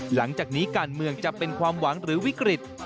หลังจากนี้การเมืองจะเป็นความหวังหรือวิกฤต